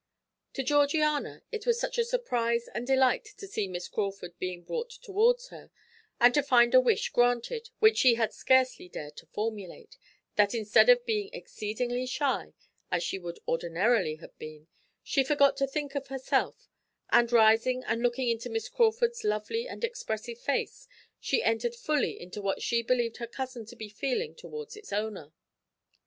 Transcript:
To Georgiana it was such a surprise and delight to see Miss Crawford being brought towards her, and to find a wish granted which she had scarcely dared to formulate, that instead of being exceedingly shy, as she would ordinarily have been, she forgot to think of herself, and rising and looking into Miss Crawford's lovely and expressive face, she entered fully into what she believed her cousin to be feeling towards its owner.